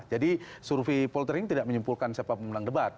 jadi survei poltering tidak menyimpulkan siapa pemenang debat